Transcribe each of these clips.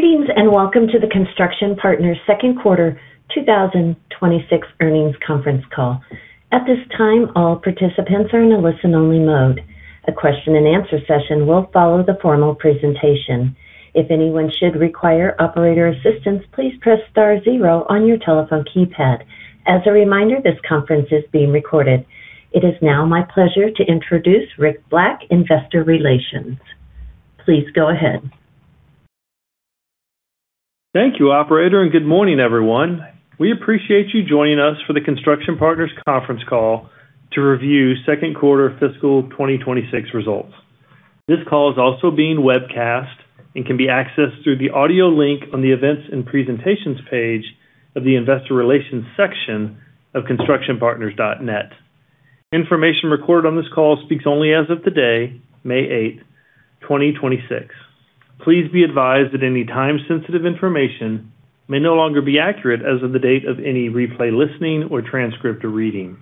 Greetings, and welcome to the Construction Partners second quarter 2026 earnings conference call. At this time, all participants are in a listen-only mode. A question and answer session will follow the formal presentation. If anyone should require operator assistance, please press star zero on your telephone keypad. As a reminder, this conference is being recorded. It is now my pleasure to introduce Rick Black, Investor Relations. Please go ahead. Thank you, operator. Good morning, everyone. We appreciate you joining us for the Construction Partners conference call to review second quarter fiscal 2026 results. This call is also being webcast and can be accessed through the audio link on the Events and Presentations page of the Investor Relations section of constructionpartners.net. Information recorded on this call speaks only as of today, May 8, 2026. Please be advised that any time-sensitive information may no longer be accurate as of the date of any replay listening or transcript reading.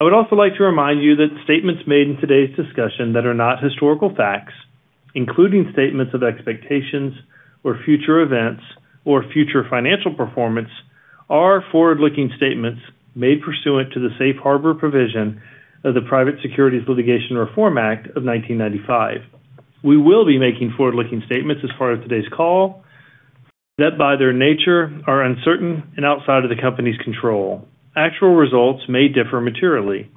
I would also like to remind you that statements made in today's discussion that are not historical facts, including statements of expectations or future events or future financial performance, are forward-looking statements made pursuant to the Safe Harbor Provision of the Private Securities Litigation Reform Act of 1995. We will be making forward-looking statements as part of today's call that, by their nature, are uncertain and outside of the company's control. Actual results may differ materially.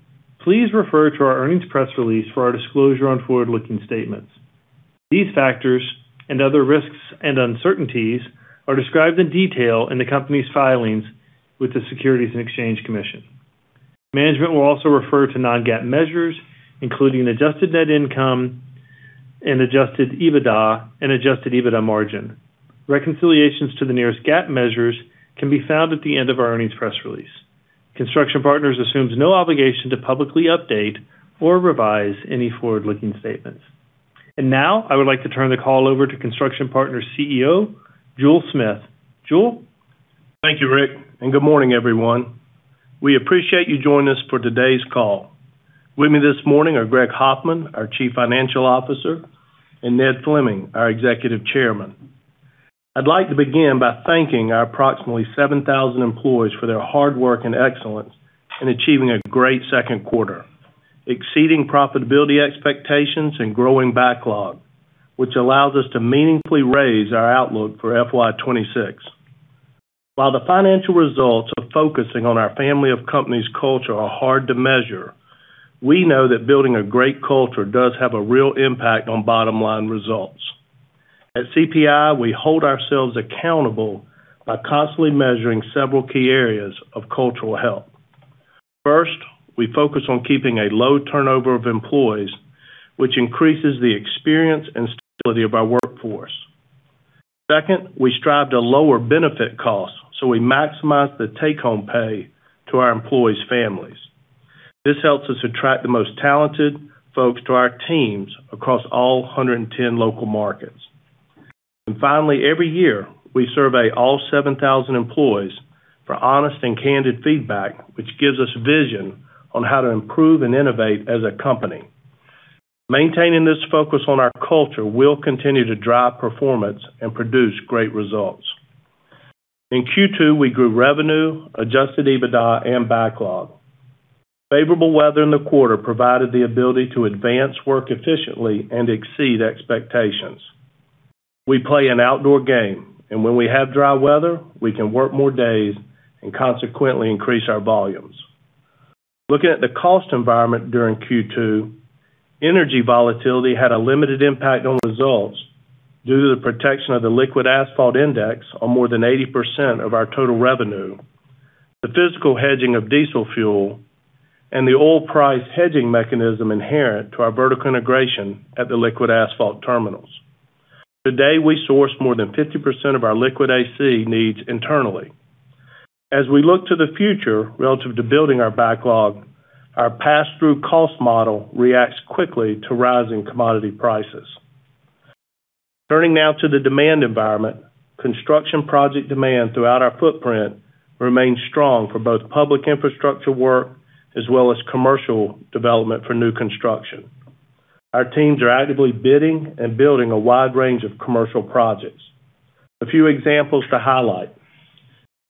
Please refer to our earnings press release for our disclosure on forward-looking statements. These factors and other risks and uncertainties are described in detail in the company's filings with the Securities and Exchange Commission. Management will also refer to non-GAAP measures, including adjusted Net Income and adjusted EBITDA and adjusted EBITDA Margin. Reconciliations to the nearest GAAP measures can be found at the end of our earnings press release. Construction Partners assumes no obligation to publicly update or revise any forward-looking statements. Now, I would like to turn the call over to Construction Partners' CEO, Jule Smith. Jule? Thank you, Rick. Good morning, everyone. We appreciate you joining us for today's call. With me this morning are Greg Hoffman, our Chief Financial Officer, and Ned Fleming, our Executive Chairman. I'd like to begin by thanking our approximately 7,000 employees for their hard work and excellence in achieving a great second quarter, exceeding profitability expectations and growing backlog, which allows us to meaningfully raise our outlook for FY 2026. While the financial results of focusing on our family of companies' culture are hard to measure, we know that building a great culture does have a real impact on bottom-line results. At CPI, we hold ourselves accountable by constantly measuring several key areas of cultural health. First, we focus on keeping a low turnover of employees, which increases the experience and stability of our workforce. We strive to lower benefit costs, so we maximize the take-home pay to our employees' families. This helps us attract the most talented folks to our teams across all 110 local markets. Finally, every year, we survey all 7,000 employees for honest and candid feedback, which gives us vision on how to improve and innovate as a company. Maintaining this focus on our culture will continue to drive performance and produce great results. In Q2, we grew revenue, adjusted EBITDA, and backlog. Favorable weather in the quarter provided the ability to advance work efficiently and exceed expectations. We play an outdoor game, and when we have dry weather, we can work more days and consequently increase our volumes. Looking at the cost environment during Q2, energy volatility had a limited impact on results due to the protection of the liquid asphalt index on more than 80% of our total revenue, the physical hedging of diesel fuel, and the oil price hedging mechanism inherent to our vertical integration at the liquid asphalt terminals. Today, we source more than 50% of our liquid AC needs internally. As we look to the future, relative to building our backlog, our pass-through cost model reacts quickly to rising commodity prices. Turning now to the demand environment. Construction project demand throughout our footprint remains strong for both public infrastructure work as well as commercial development for new construction. Our teams are actively bidding and building a wide range of commercial projects. A few examples to highlight.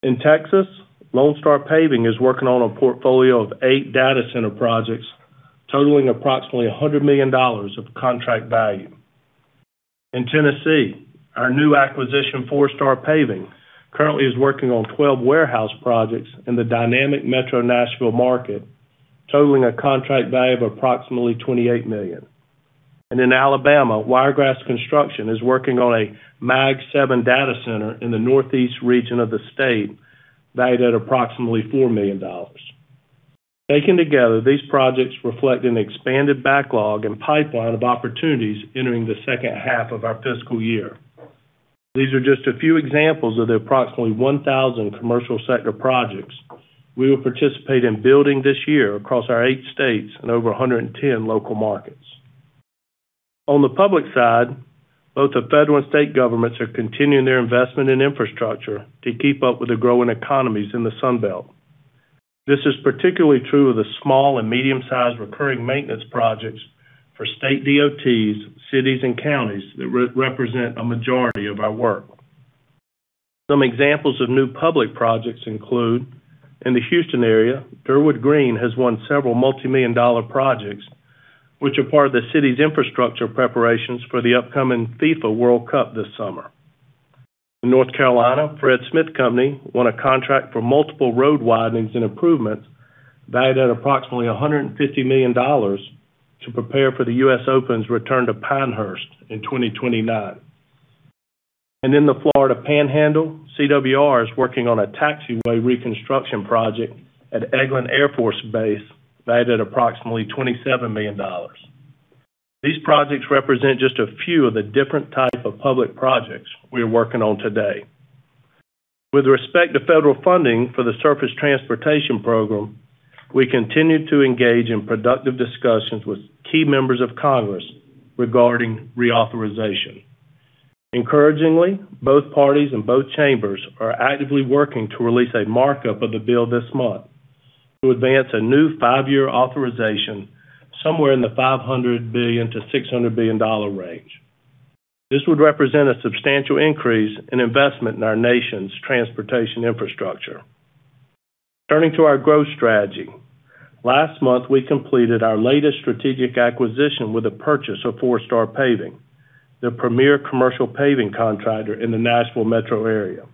In Texas, Lone Star Paving is working on a portfolio of eight data center projects totaling approximately $100 million of contract value. In Tennessee, our new acquisition, Four Star Paving, currently is working on 12 warehouse projects in the dynamic Metro Nashville market, totaling a contract value of approximately $28 million. In Alabama, Wiregrass Construction is working on a Mag Seven data center in the northeast region of the state, valued at approximately $4 million. Taken together, these projects reflect an expanded backlog and pipeline of opportunities entering the second half of our fiscal year. These are just a few examples of the approximately 1,000 commercial sector projects we will participate in building this year across our eight states and over 110 local markets. On the public side, both the federal and state governments are continuing their investment in infrastructure to keep up with the growing economies in the Sunbelt. This is particularly true of the small and medium-sized recurring maintenance projects for state DOTs, cities, and counties that represent a majority of our work. Some examples of new public projects include in the Houston area, Durwood Greene has won several multimillion-dollar projects, which are part of the city's infrastructure preparations for the upcoming FIFA World Cup this summer. In North Carolina, Fred Smith Company won a contract for multiple road widenings and improvements valued at approximately $150 million to prepare for the U.S. Open's return to Pinehurst in 2029. In the Florida Panhandle, CWR is working on a taxiway reconstruction project at Eglin Air Force Base, valued at approximately $27 million. These projects represent just a few of the different types of public projects we are working on today. With respect to federal funding for the Surface Transportation Program, we continue to engage in productive discussions with key members of Congress regarding reauthorization. Encouragingly, both parties and both chambers are actively working to release a markup of the bill this month to advance a new five-year authorization somewhere in the $500 billion-$600 billion range. This would represent a substantial increase in investment in our nation's transportation infrastructure. Turning to our growth strategy. Last month, we completed our latest strategic acquisition with the purchase of Four Star Paving, the premier commercial paving contractor in the Nashville metro area.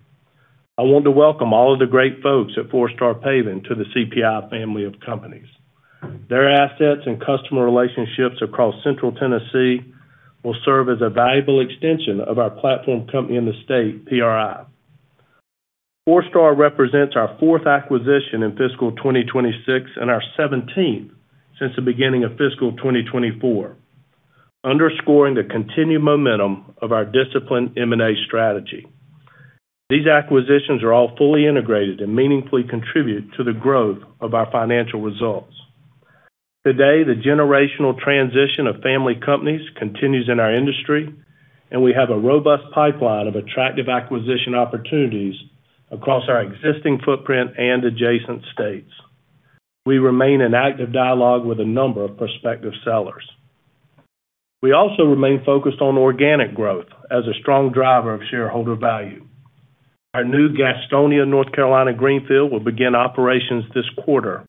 I want to welcome all of the great folks at Four Star Paving to the CPI family of companies. Their assets and customer relationships across central Tennessee will serve as a valuable extension of our platform company in the state, PRI. Four Star represents our 4th acquisition in FY 2026 and our 17th since the beginning of FY 2024, underscoring the continued momentum of our disciplined M&A strategy. These acquisitions are all fully integrated and meaningfully contribute to the growth of our financial results. Today, the generational transition of family companies continues in our industry, and we have a robust pipeline of attractive acquisition opportunities across our existing footprint and adjacent states. We remain in active dialogue with a number of prospective sellers. We also remain focused on organic growth as a strong driver of shareholder value. Our new Gastonia, North Carolina, greenfield will begin operations this quarter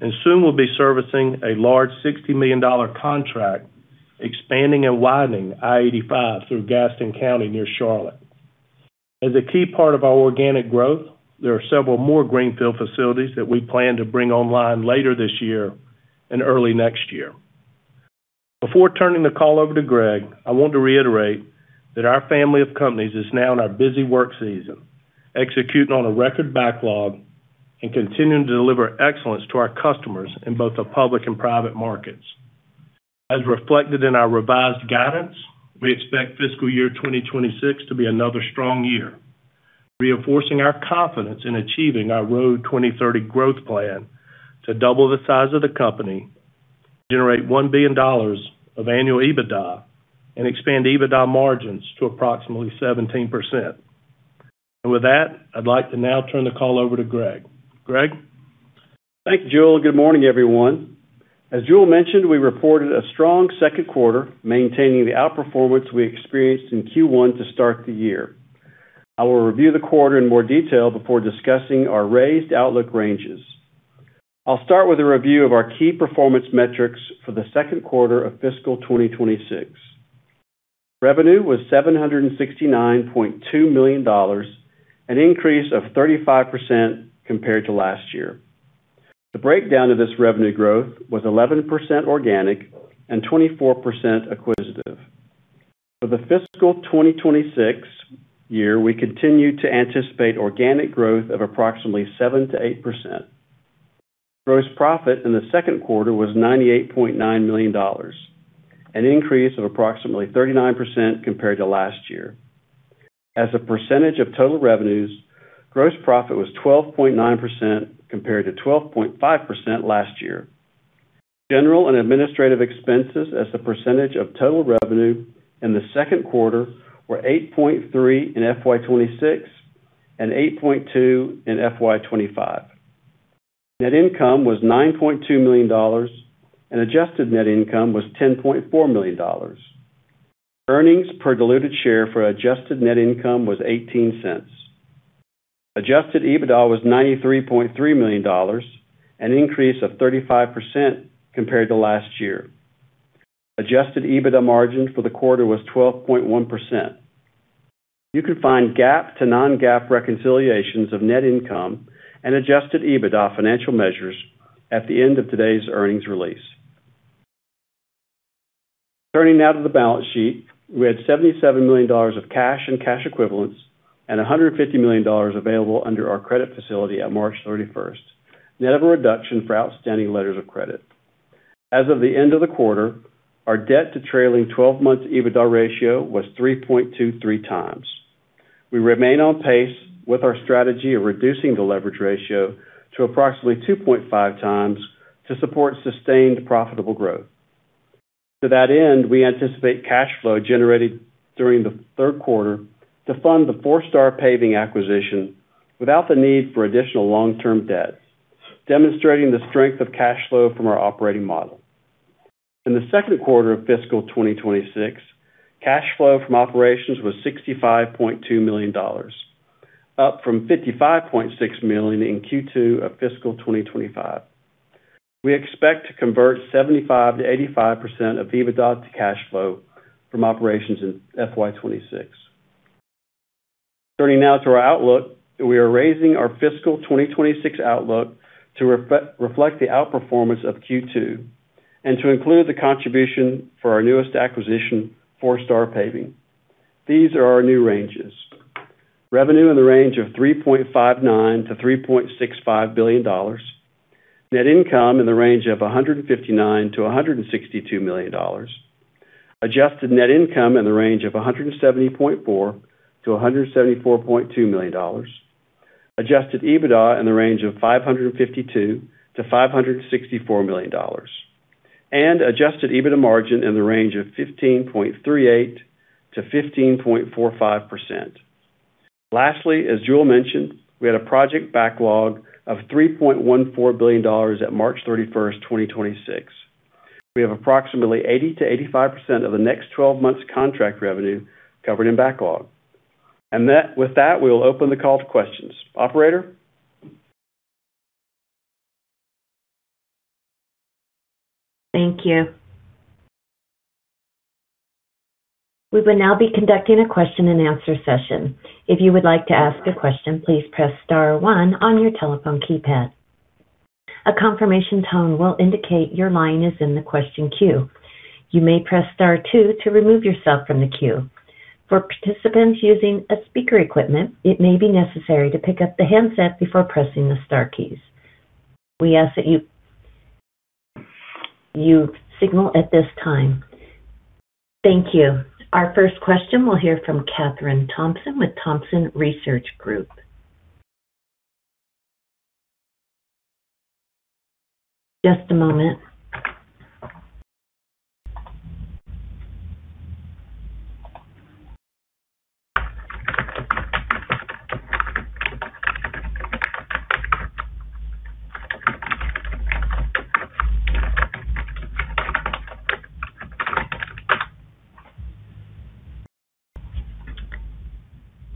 and soon will be servicing a large $60 million contract, expanding and widening I-85 through Gaston County near Charlotte. As a key part of our organic growth, there are several more greenfield facilities that we plan to bring online later this year and early next year. Before turning the call over to Greg, I want to reiterate that our family of companies is now in our busy work season, executing on a record backlog and continuing to deliver excellence to our customers in both the public and private markets. As reflected in our revised guidance, we expect fiscal year 2026 to be another strong year, reinforcing our confidence in achieving our Road 2030 growth plan to double the size of the company, generate $1 billion of annual EBITDA, and expand EBITDA margins to approximately 17%. With that, I'd like to now turn the call over to Greg. Greg? Thank you, Jule. Good morning, everyone. As Jule mentioned, we reported a strong second quarter, maintaining the outperformance we experienced in Q1 to start the year. I will review the quarter in more detail before discussing our raised outlook ranges. I'll start with a review of our key performance metrics for the second quarter of FY 2026. Revenue was $769.2 million, an increase of 35% compared to last year. The breakdown of this revenue growth was 11% organic and 24% acquisitive. For the FY 2026 year, we continue to anticipate organic growth of approximately 7%-8%. Gross profit in the second quarter was $98.9 million, an increase of approximately 39% compared to last year. As a percentage of total revenues, gross profit was 12.9% compared to 12.5% last year. General and administrative expenses as a percentage of total revenue in the second quarter were 8.3% in FY 2026 and 8.2% in FY 2025. Net income was $9.2 million, and adjusted Net Income was $10.4 million. Earnings per diluted share for adjusted Net Income was $0.18. Adjusted EBITDA was $93.3 million, an increase of 35% compared to last year. Adjusted EBITDA Margin for the quarter was 12.1%. You can find GAAP to non-GAAP reconciliations of net income and adjusted EBITDA financial measures at the end of today's earnings release. Turning now to the balance sheet. We had $77 million of cash and cash equivalents, and $150 million available under our credit facility at March 31st, net of a reduction for outstanding letters of credit. As of the end of the quarter, our debt to trailing 12 months EBITDA ratio was 3.23x. We remain on pace with our strategy of reducing the leverage ratio to approximately 2.5x to support sustained profitable growth. To that end, we anticipate cash flow generated during the third quarter to fund the Four Star Paving acquisition without the need for additional long-term debt, demonstrating the strength of cash flow from our operating model. In the second quarter of FY 2026, cash flow from operations was $65.2 million, up from $55.6 million in Q2 of FY 2025. We expect to convert 75%-85% of EBITDA to cash flow from operations in FY 2026. Turning now to our outlook. We are raising our fiscal 2026 outlook to reflect the outperformance of Q2 and to include the contribution for our newest acquisition, Four Star Paving. These are our new ranges. Revenue in the range of $3.59 billion-$3.65 billion. Net income in the range of $159 million-$162 million. Adjusted net income in the range of $170.4 million-$174.2 million. Adjusted EBITDA in the range of $552 million-$564 million. Adjusted EBITDA margin in the range of 15.38%-15.45%. Lastly, as Jule mentioned, we had a project backlog of $3.14 billion at March 31st, 2026. We have approximately 80%-85% of the next 12 months contract revenue covered in backlog. With that, we will open the call to questions. Operator? Thank you. We will now be conducting a question-and-answer session. If you would like to ask a question, please press star one on your telephone keypad. A confirmation tone will indicate your line is in the question queue. You may press star two to remove yourself from the queue. For participants using a speaker equipment, it may be necessary to pick up the handset before pressing the star keys. We ask that you signal at this time. Thank you. Our first question, we will hear from Kathryn Thompson with Thompson Research Group. Just a moment.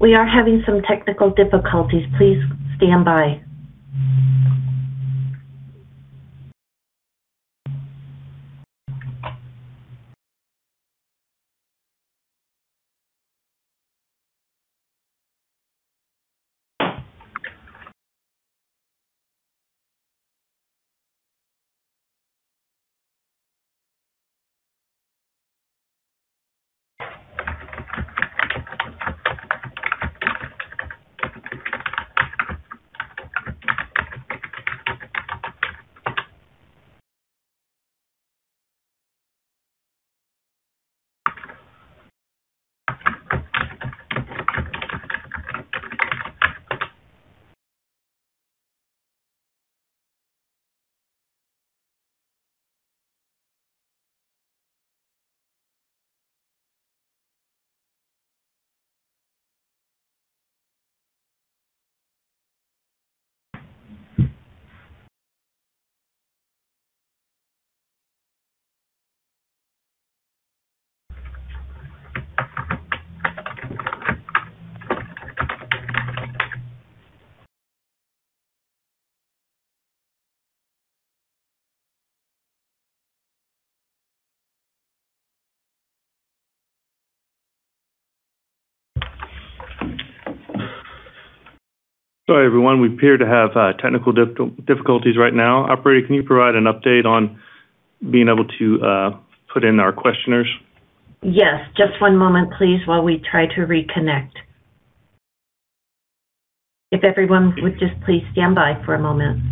We are having some technical difficulties. Please stand by. Sorry, everyone. We appear to have technical difficulties right now. Operator, can you provide an update on being able to put in our questioners? Yes. Just one moment, please, while we try to reconnect. If everyone would just please stand by for a moment.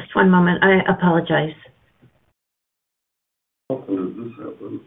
Just one moment. I apologize. How could this happen?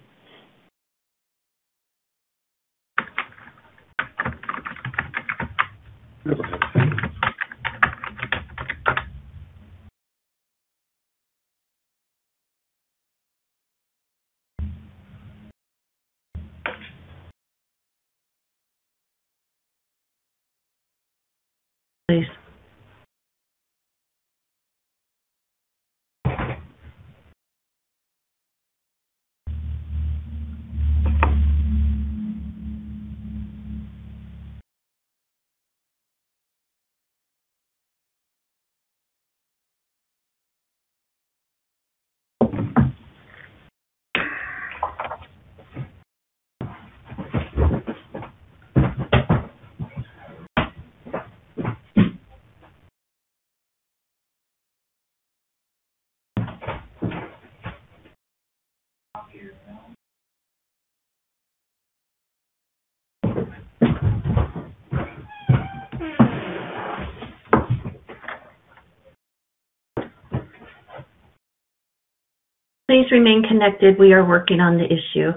Please remain connected. We are working on the issue.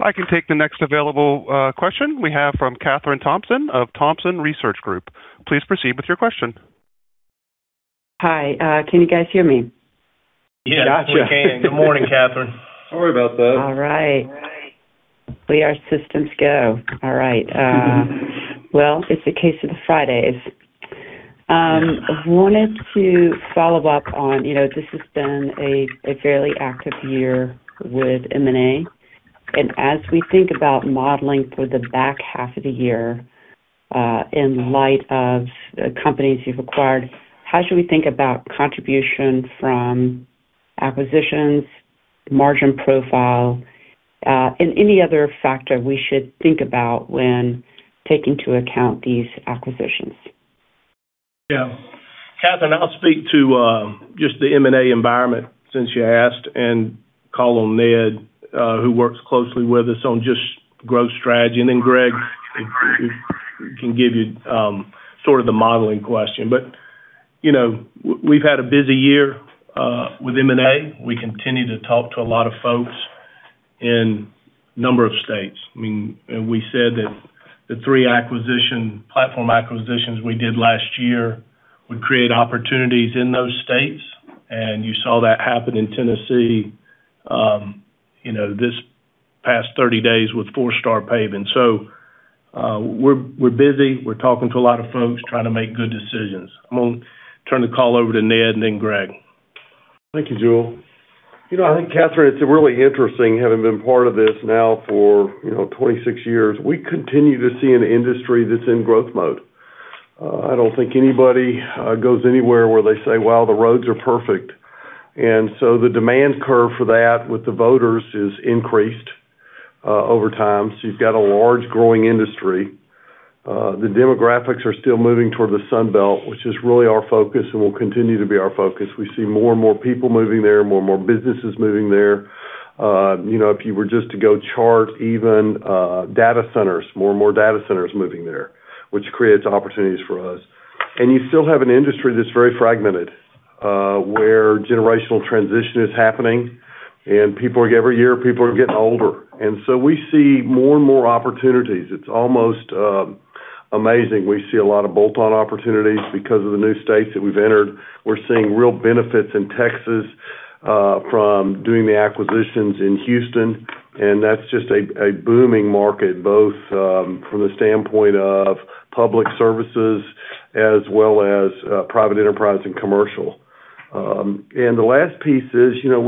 I can take the next available question we have from Kathryn Thompson of Thompson Research Group. Please proceed with your question. Hi. Can you guys hear me? Gotcha. Yes, we can. Good morning, Kathryn. Sorry about that. All right. The way our systems go. All right. Well, it's a case of the Fridays. I wanted to follow up on, you know, this has been a fairly active year with M&A. As we think about modeling for the back half of the year, in light of the companies you've acquired, how should we think about contribution from acquisitions, margin profile, and any other factor we should think about when taking into account these acquisitions? Kathryn, I'll speak to just the M&A environment since you asked, and call on Ned, who works closely with us on just growth strategy. Greg can give you sort of the modeling question. You know, we've had a busy year with M&A. We continue to talk to a lot of folks in a number of states. I mean, we said that the three acquisition platform acquisitions we did last year would create opportunities in those states, and you saw that happen in Tennessee, you know, this past 30 days with Four Star Paving. We're busy. We're talking to a lot of folks, trying to make good decisions. I'm gonna turn the call over to Ned and then Greg. Thank you, Jule. You know, I think, Kathryn, it's really interesting, having been part of this now for, you know, 26 years. We continue to see an industry that's in growth mode. I don't think anybody goes anywhere where they say, "Wow, the roads are perfect." The demand curve for that with the voters is increased over time. You've got a large growing industry. The demographics are still moving toward the Sunbelt, which is really our focus and will continue to be our focus. We see more and more people moving there, more and more businesses moving there. You know, if you were just to go chart even data centers, more and more data centers moving there, which creates opportunities for us. You still have an industry that's very fragmented, where generational transition is happening, every year people are getting older. We see more and more opportunities. It's almost amazing. We see a lot of bolt-on opportunities because of the new states that we've entered. We're seeing real benefits in Texas, from doing the acquisitions in Houston, and that's just a booming market, both from the standpoint of public services as well as private enterprise and commercial. The last piece is, you know,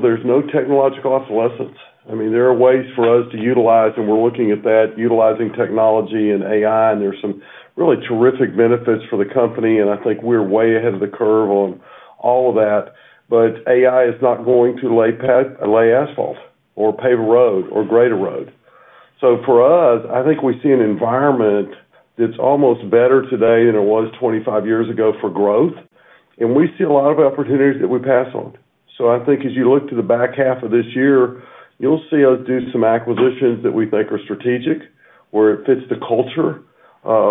there's no technological obsolescence. I mean, there are ways for us to utilize, and we're looking at that, utilizing technology and AI, and there's some really terrific benefits for the company, and I think we're way ahead of the curve on all of that. AI is not going to lay asphalt or pave a road or grade a road. For us, I think we see an environment that's almost better today than it was 25 years ago for growth. We see a lot of opportunities that we pass on. I think as you look to the back half of this year, you'll see us do some acquisitions that we think are strategic, where it fits the culture,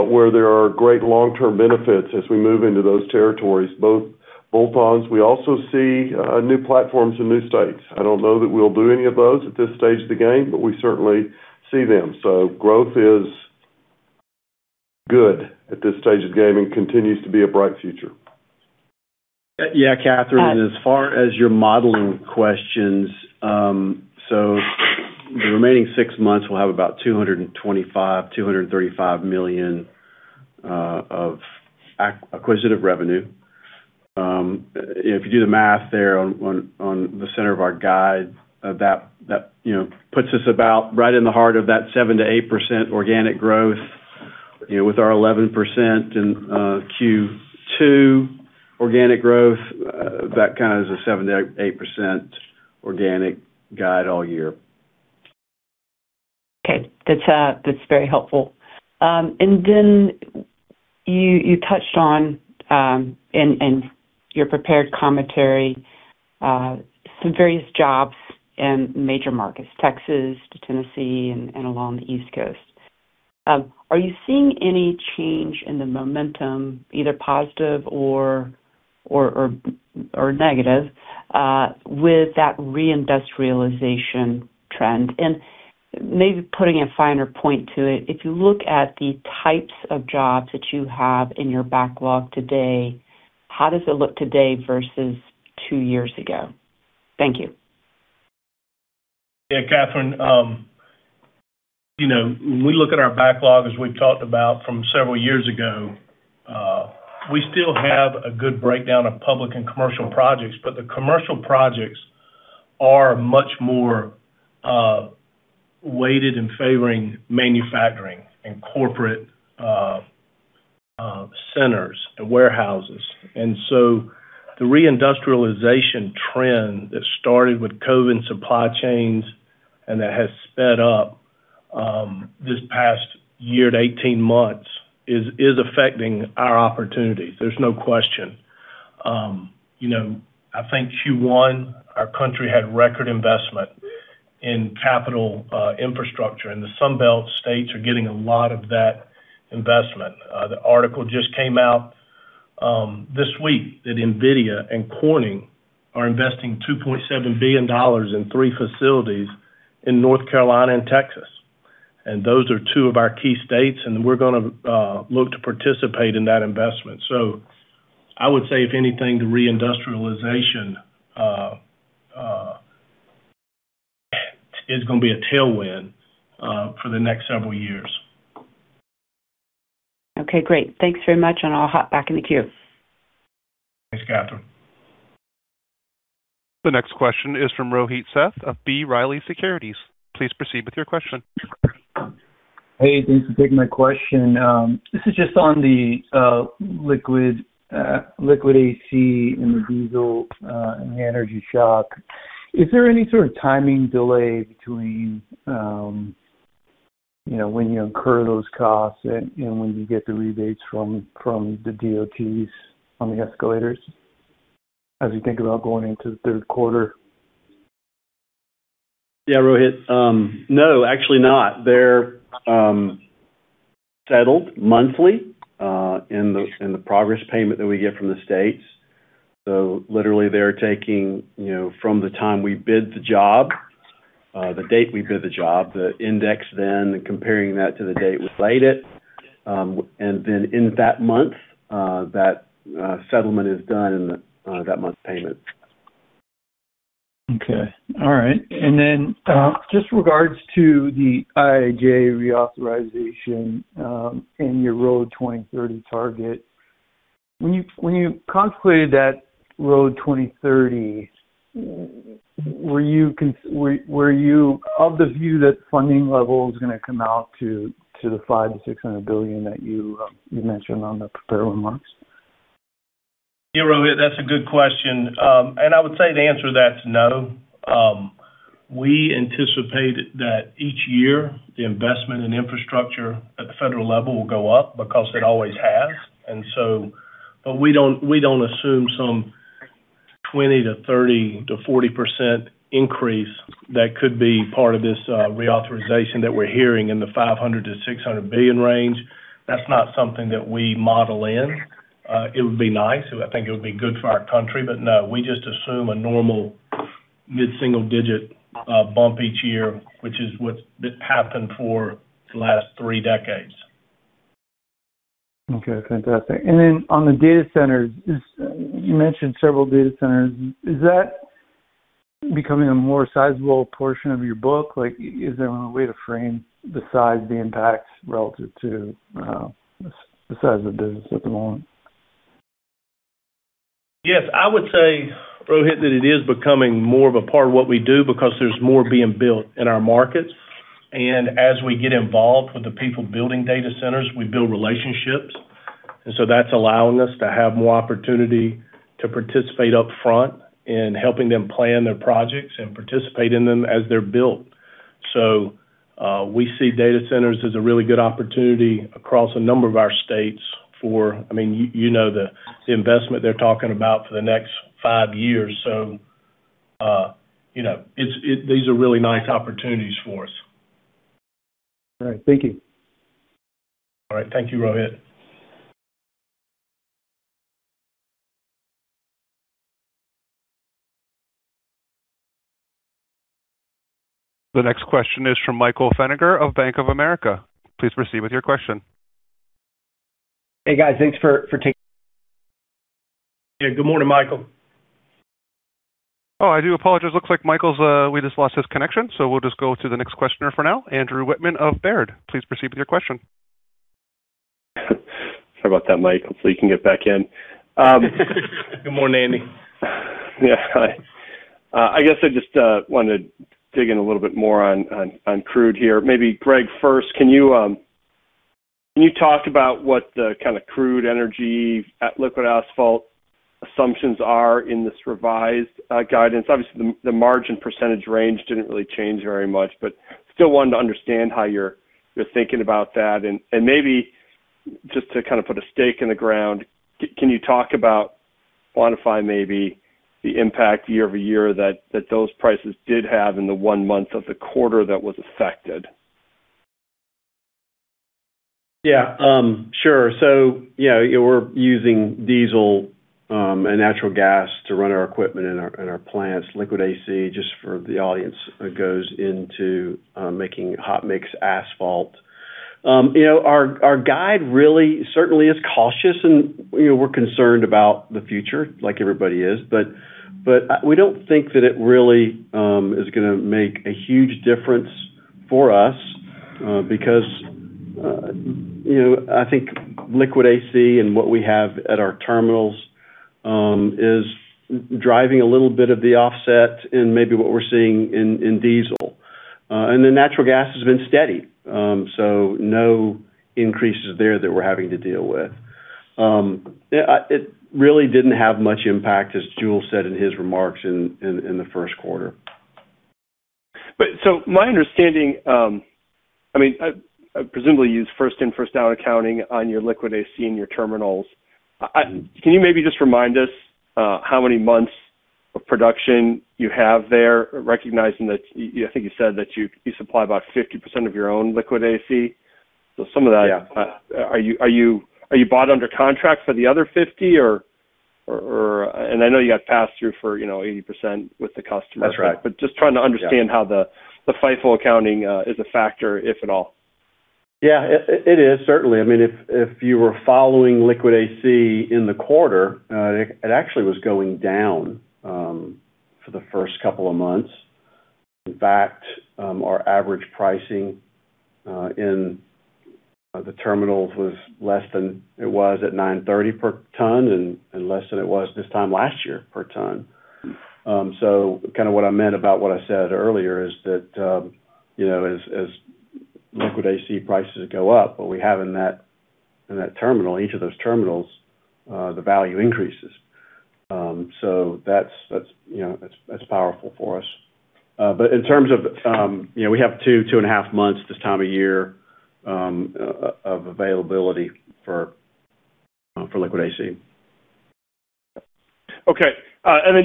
where there are great long-term benefits as we move into those territories, both bolt-ons. We also see new platforms in new states. I don't know that we'll do any of those at this stage of the game, but we certainly see them. Growth is good at this stage of the game and continues to be a bright future. Yeah, Kathryn. Hi. As far as your modeling questions, the remaining six months will have about $225 million-$235 million of acquisitive revenue. If you do the math there on the center of our guide, that, you know, puts us about right in the heart of that 7%-8% organic growth. You know, with our 11% in Q2 organic growth, that kind of is a 7%-8% organic guide all year. Okay. That's very helpful. Then you touched on in your prepared commentary, some various jobs in major markets: Texas to Tennessee and along the East Coast. Are you seeing any change in the momentum, either positive or negative with that reindustrialization trend? Maybe putting a finer point to it. If you look at the types of jobs that you have in your backlog today, how does it look today versus two years ago? Thank you. Kathryn, you know, when we look at our backlog, as we've talked about from several years ago, we still have a good breakdown of public and commercial projects, but the commercial projects are much more weighted in favoring manufacturing and corporate centers and warehouses. The reindustrialization trend that started with COVID supply chains and that has sped up this past year to 18 months is affecting our opportunities. There's no question. You know, I think Q1, our country had record investment in capital infrastructure, and the Sunbelt states are getting a lot of that investment. The article just came out this week that Nvidia and Corning are investing $2.7 billion in three facilities in North Carolina and Texas. Those are two of our key states, and we're gonna look to participate in that investment. I would say, if anything, the reindustrialization is gonna be a tailwind for the next several years. Okay, great. Thanks very much, and I'll hop back in the queue. Thanks, Kathryn. The next question is from Rohit Seth of B. Riley Securities. Please proceed with your question. Hey, thanks for taking my question. This is just on the liquid AC and the diesel and the energy shock. Is there any sort of timing delay between, you know, when you incur those costs and when you get the rebates from the DOTs on the escalators as you think about going into the third quarter? Yeah, Rohit. No, actually not. They're settled monthly in the progress payment that we get from the states. Literally, they're taking, you know, from the time we bid the job, the date we bid the job, the index then, and comparing that to the date we laid it, and then in that month, that settlement is done in that month's payment. Okay. All right. Just regards to the IIJA reauthorization and your Road 2030 target. When you contemplated that Road 2030, were you of the view that funding level is gonna come out to the $500 billion-$600 billion that you mentioned on the prepared remarks? Yeah, Rohit, that's a good question. I would say the answer to that's no. We anticipate that each year, the investment in infrastructure at the federal level will go up because it always has. We don't assume some 20% to 30% to 40% increase that could be part of this reauthorization that we're hearing in the $500 billion-$600 billion range. That's not something that we model in. It would be nice. I think it would be good for our country, no. We just assume a normal mid-single digit bump each year, which is what's happened for the last three decades. Okay, fantastic. Then on the data centers, you mentioned several data centers. Is that becoming a more sizable portion of your book? Like, is there a way to frame the size, the impact relative to the size of the business at the moment? Yes. I would say, Rohit, that it is becoming more of a part of what we do because there's more being built in our markets. As we get involved with the people building data centers, we build relationships. That's allowing us to have more opportunity to participate up front in helping them plan their projects and participate in them as they're built. You know, we see data centers as a really good opportunity across a number of our states for, I mean, you know, the investment they're talking about for the next five years. You know, these are really nice opportunities for us. All right. Thank you. All right. Thank you, Rohit. The next question is from Michael Feniger of Bank of America. Please proceed with your question. Hey, guys. Thanks for taking- Yeah. Good morning, Michael. Oh, I do apologize. Looks like Michael's, we just lost his connection, so we'll just go to the next questioner for now. Andrew Wittmann of Baird, please proceed with your question. Sorry about that, Mike. Hopefully you can get back in. Good morning, Andy. Yeah. Hi. I guess I just wanted to dig in a little bit more on crude here. Maybe Greg first, can you talk about what the kinda crude, energy, and liquid asphalt assumptions are in this revised guidance? Obviously, the margin percentage range didn't really change very much, but still wanting to understand how you're thinking about that. Maybe just to kind of put a stake in the ground, can you talk about, quantify maybe the impact year-over-year that those prices did have in the one month of the quarter that was affected? Sure. You know, we're using diesel and natural gas to run our equipment in our, in our plants. Liquid AC, just for the audience, goes into making hot mix asphalt. You know, our guide really certainly is cautious and, you know, we're concerned about the future like everybody is, but we don't think that it really is gonna make a huge difference for us because, you know, I think Liquid AC and what we have at our terminals is driving a little bit of the offset in maybe what we're seeing in diesel. Natural gas has been steady, so no increases there that we're having to deal with. It really didn't have much impact, as Jule said in his remarks in the first quarter. My understanding, I mean, presumably you use first-in-first-out accounting on your liquid AC in your terminals. Can you maybe just remind us how many months of production you have there, recognizing that I think you said that you supply about 50% of your own liquid AC. Yeah Are you bought under contract for the other 50 or? I know you have pass-through for, you know, 80% with the customer. That's right. Just trying to understand how the FIFO accounting is a factor, if at all. Yeah. It is certainly. I mean, if you were following liquid AC in the quarter, it actually was going down for the first couple of months. In fact, our average pricing in the terminals was less than it was at $930 per ton and less than it was this time last year per ton. Kind of what I meant about what I said earlier is that, you know, as liquid AC prices go up, what we have in that terminal, each of those terminals, the value increases. That's, you know, that's powerful for us. In terms of, you know, we have two and a half months this time of year of availability for liquid AC. Okay.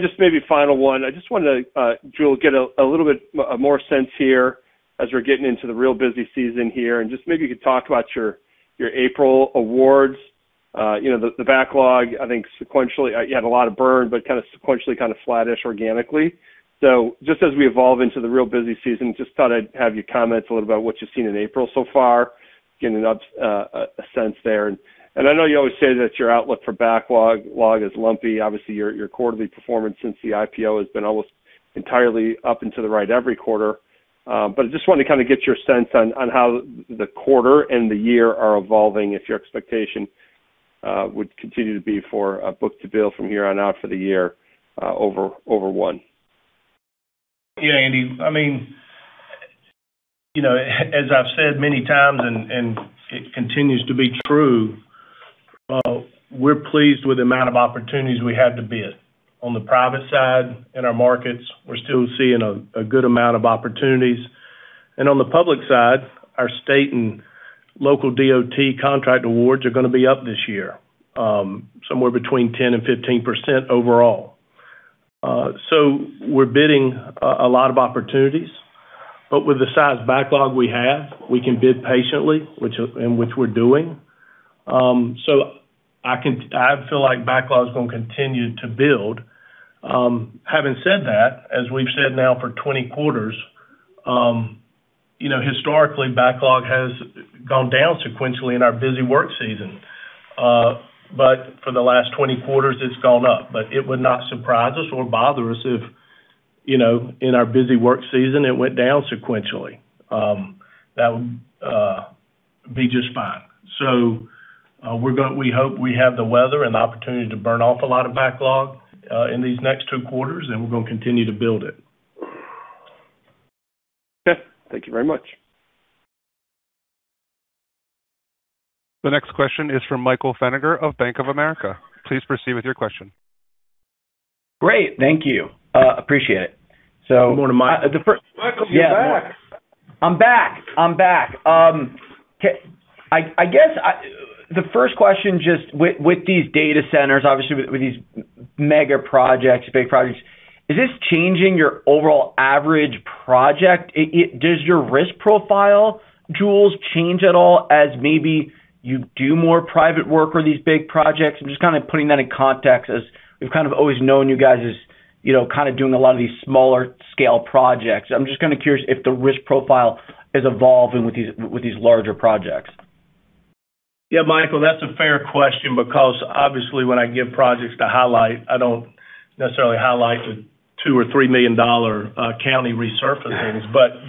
Just maybe final one. I just wanted to, Jule, get a little bit more sense here as we're getting into the real busy season here, and just maybe you could talk about your April awards. You know, the backlog, I think sequentially you had a lot of burn, but kind of sequentially kind of flattish organically. Just as we evolve into the real busy season, just thought I'd have you comment a little about what you've seen in April so far, getting a sense there. I know you always say that your outlook for backlog is lumpy. Obviously, your quarterly performance since the IPO has been almost entirely up into the right every quarter. I just wanted to kind of get your sense on how the quarter and the year are evolving, if your expectation would continue to be for a book-to-bill from here on out for the year, over 1? Andy. I mean, you know, as I've said many times and it continues to be true, we're pleased with the amount of opportunities we have to bid. On the private side in our markets, we're still seeing a good amount of opportunities. On the public side, our state and local DOT contract awards are gonna be up this year, somewhere between 10% and 15% overall. We're bidding a lot of opportunities. With the size backlog we have, we can bid patiently, which we're doing. I feel like backlog is gonna continue to build. Having said that, as we've said now for 20 quarters, you know, historically, backlog has gone down sequentially in our busy work season. For the last 20 quarters, it's gone up. It would not surprise us or bother us if, you know, in our busy work season, it went down sequentially. That would be just fine. We hope we have the weather and the opportunity to burn off a lot of backlog in these next two quarters, and we're gonna continue to build it. Okay. Thank you very much. The next question is from Michael Feniger of Bank of America. Please proceed with your question. Great. Thank you. Appreciate it. Good morning, Mike uh, the first- Michael, you're back. I'm back. I'm back. The first question, just with these data centers, obviously with these mega projects, big projects, is this changing your overall average project? Does your risk profile, Jule, change at all as maybe you do more private work for these big projects? I'm just kinda putting that in context as we've kind of always known you guys as, you know, kinda doing a lot of these smaller scale projects. I'm just kinda curious if the risk profile is evolving with these larger projects. Yeah, Michael, that's a fair question because, obviously, when I give projects to highlight, I don't necessarily highlight the $2 million or $3 million county resurfacings.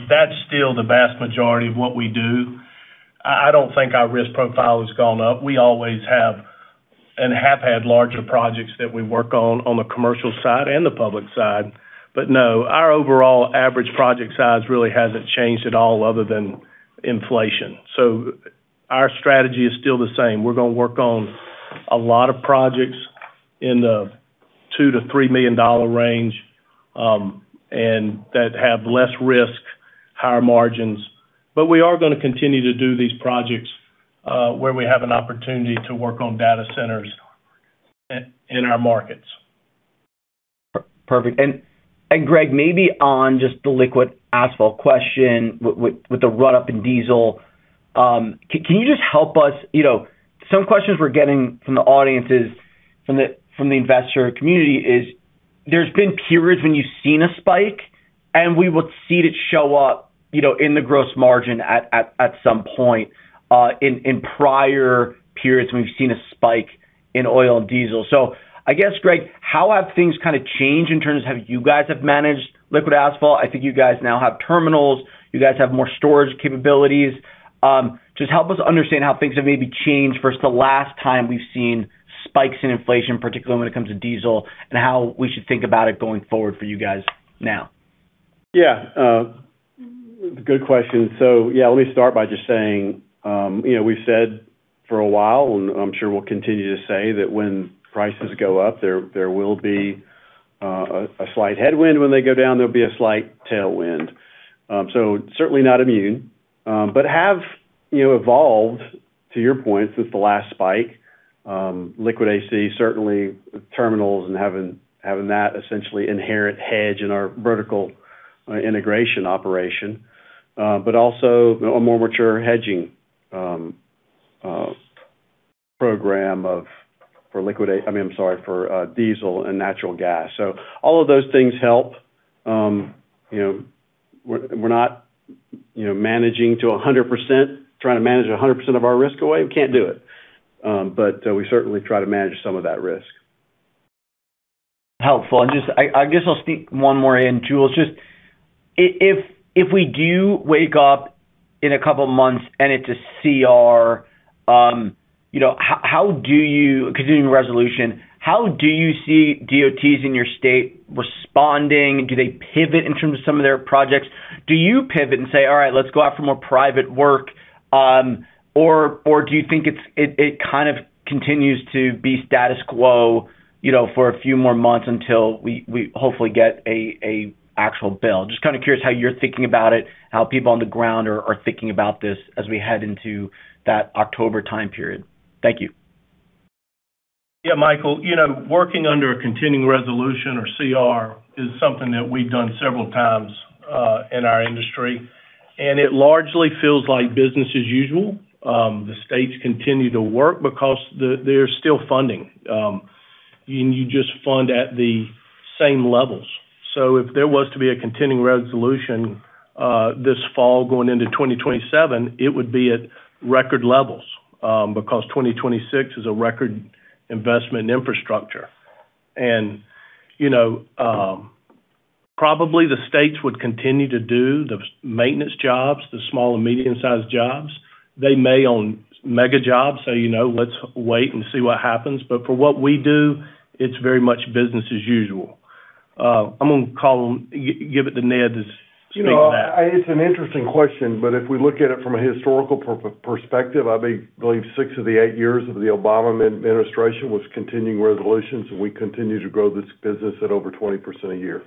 That's still the vast majority of what we do. I don't think our risk profile has gone up. We always have and have had larger projects that we work on the commercial side and the public side. No, our overall average project size really hasn't changed at all other than inflation. Our strategy is still the same. We're gonna work on a lot of projects in the $2 million-$3 million range and that have less risk, higher margins. We are gonna continue to do these projects where we have an opportunity to work on data centers in our markets. Perfect. Greg, maybe on just the liquid asphalt question with the run up in diesel, can you just help us? You know, some questions we're getting from the audience is, from the investor community is there's been periods when you've seen a spike, and we would see it show up, you know, in the gross margin at some point, in prior periods when we've seen a spike in oil and diesel. I guess, Greg, how have things kind of changed in terms of how you guys have managed liquid asphalt? I think you guys now have terminals. You guys have more storage capabilities. Just help us understand how things have maybe changed versus the last time we've seen spikes in inflation, particularly when it comes to diesel, and how we should think about it going forward for you guys now. Yeah. Good question. Yeah, let me start by just saying, you know, we've said for a while, and I'm sure we'll continue to say that when prices go up, there will be a slight headwind. When they go down, there'll be a slight tailwind. Certainly not immune. Have, you know, evolved, to your point, since the last spike, liquid AC, certainly terminals and having that essentially inherent hedge in our vertical integration operation. Also a more mature hedging program of, for liquid, I mean, I'm sorry, for diesel and natural gas. All of those things help. You know, we're not, you know, managing to 100%, trying to manage 100% of our risk away. We can't do it. We certainly try to manage some of that risk. Helpful. I guess I'll sneak one more in, Jule. Just if we do wake up in a couple months and it's a CR, you know, continuing resolution, how do you see DOTs in your state responding? Do they pivot in terms of some of their projects? Do you pivot and say, "All right, let's go out for more private work"? Or do you think it kind of continues to be status quo, you know, for a few more months until we hopefully get a actual bill? Just kind of curious how you're thinking about it, how people on the ground are thinking about this as we head into that October time period. Thank you. Yeah, Michael. You know, working under a continuing resolution or CR is something that we've done several times in our industry, and it largely feels like business as usual. The states continue to work because there's still funding, and you just fund at the same levels. If there was to be a continuing resolution this fall going into 2027, it would be at record levels because 2026 is a record investment in infrastructure. You know, probably the states would continue to do the maintenance jobs, the small and medium-sized jobs. They may own mega jobs, you know, let's wait and see what happens. For what we do, it's very much business as usual. I'm gonna give it to Ned to speak to that. You know, it's an interesting question, if we look at it from a historical perspective, I mean, believe six of the eight years of the Obama administration was continuing resolutions, and we continue to grow this business at over 20% a year.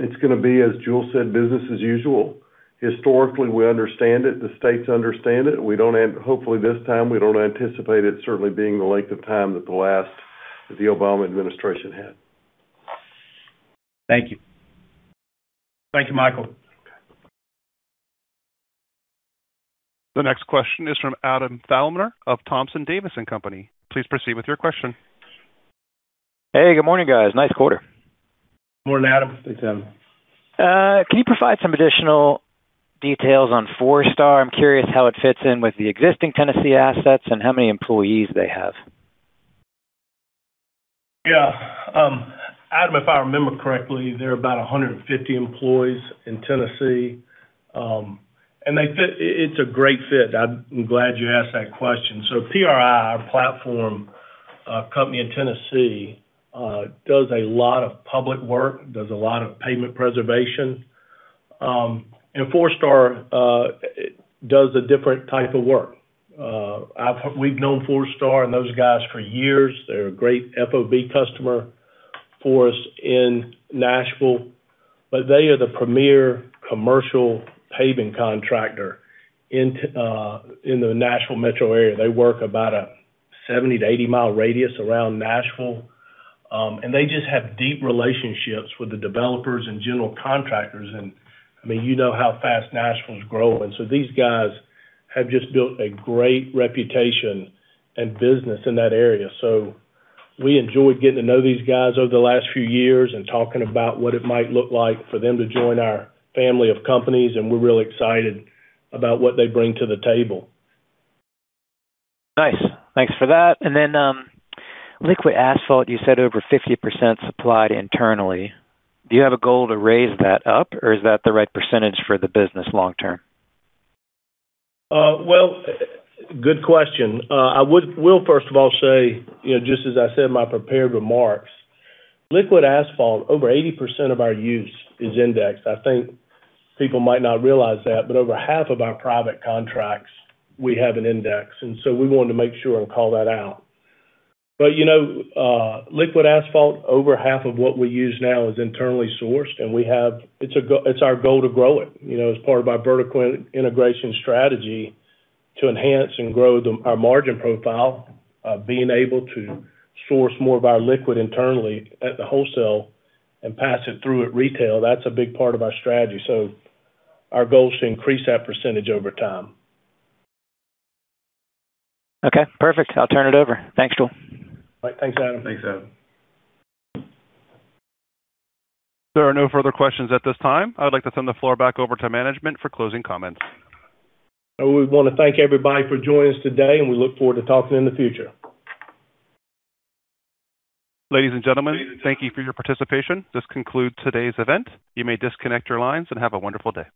It's gonna be, as Jule said, business as usual. Historically, we understand it, the states understand it, we don't hopefully this time we don't anticipate it certainly being the length of time that the Obama administration had. Thank you. Thank you, Michael. Okay. The next question is from Adam Thalhimer of Thompson Davis & Company. Please proceed with your question. Hey, good morning, guys. Nice quarter. Morning, Adam. Thanks, Adam. Can you provide some additional details on Four Star? I'm curious how it fits in with the existing Tennessee assets and how many employees they have. Yeah. Adam, if I remember correctly, there are about 150 employees in Tennessee. It's a great fit. I'm glad you asked that question. PRI, our platform company in Tennessee, does a lot of public work, does a lot of pavement preservation. Four Star does a different type of work. We've known Four Star and those guys for years. They're a great FOB customer for us in Nashville. They are the premier commercial paving contractor in the Nashville metro area. They work about a 70 mi to 80 mi radius around Nashville. They just have deep relationships with the developers and general contractors. I mean, you know how fast Nashville is growing. These guys have just built a great reputation and business in that area. We enjoyed getting to know these guys over the last few years and talking about what it might look like for them to join our family of companies, and we're really excited about what they bring to the table. Nice. Thanks for that. Liquid asphalt, you said over 50% supplied internally. Do you have a goal to raise that up, or is that the right percentage for the business long term? Well, good question. First of all, say, you know, just as I said in my prepared remarks, liquid asphalt, over 80% of our use is indexed. I think people might not realize that, over half of our private contracts, we have an index. We wanted to make sure and call that out. You know, liquid asphalt, over half of what we use now is internally sourced, it's our goal to grow it. You know, as part of our vertical integration strategy to enhance and grow the, our margin profile, being able to source more of our liquid internally at the wholesale and pass it through at retail, that's a big part of our strategy. Our goal is to increase that percentage over time. Okay, perfect. I'll turn it over. Thanks, Jule. All right. Thanks, Adam. Thanks, Adam. There are no further questions at this time. I would like to turn the floor back over to management for closing comments. We wanna thank everybody for joining us today, and we look forward to talking in the future. Ladies and gentlemen, thank you for your participation. This concludes today's event. You may disconnect your lines and have a wonderful day.